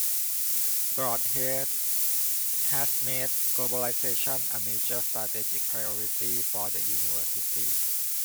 Brodhead has made globalization a major strategic priority for the University.